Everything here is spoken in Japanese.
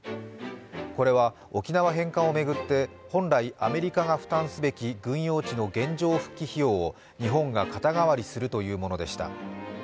これは沖縄返還を巡って本来アメリカが負担すべき軍用地の原状復帰費用を日本が肩代わりするというものでした。